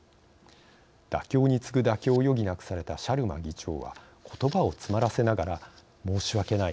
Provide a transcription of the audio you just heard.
妥協に次ぐ妥協を余儀なくされたシャルマ議長はことばを詰まらせながら「申し訳ない。